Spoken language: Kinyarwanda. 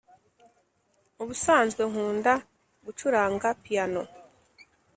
Ubusanzwe nkunda gucuranga piyano